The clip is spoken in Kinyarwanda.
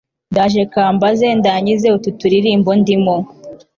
ndaje kambanze ndangize utu turimo ndimo